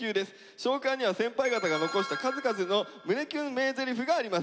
「少クラ」には先輩方が残した数々の胸キュン名ゼリフがあります。